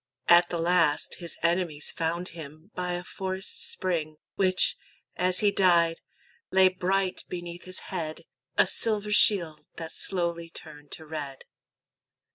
At the last His enemies found him by a forest spring, Which, as he died, lay bright beneath his head, A silver shield that slowly turned to red.